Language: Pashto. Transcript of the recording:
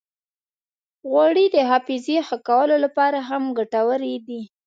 غوړې د حافظې ښه کولو لپاره هم ګټورې دي.